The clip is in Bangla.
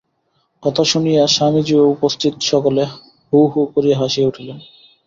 কথা শুনিয়া স্বামীজী ও উপস্থিত সকলে হো হো করিয়া হাসিয়া উঠিলেন।